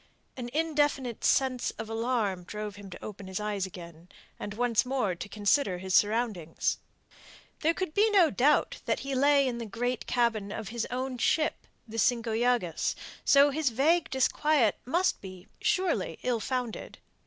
An indefinite sense of alarm drove him to open his eyes again, and once more to consider his surroundings. There could be no doubt that he lay in the great cabin of his own ship, the Cinco Llagas, so that his vague disquiet must be, surely, ill founded.